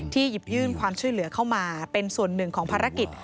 หยิบยื่นความช่วยเหลือเข้ามาเป็นส่วนหนึ่งของภารกิจ